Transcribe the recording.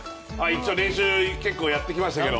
一応練習、結構やってきましたけど。